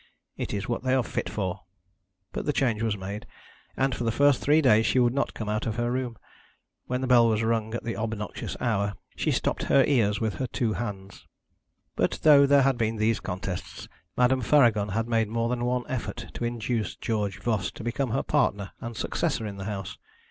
It is what they are fit for.' But the change was made, and for the first three days she would not come out of her room. When the bell was rung at the obnoxious hour, she stopped her ears with her two hands. But though there had been these contests, Madame Faragon had made more than one effort to induce George Voss to become her partner and successor in the house.